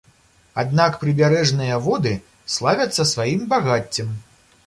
Аднак прыбярэжныя воды славяцца сваім багаццем.